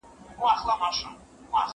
زه زدکړه نه کوم!؟